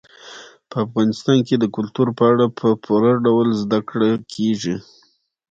په افغانستان کې د کلتور په اړه په پوره ډول زده کړه کېږي.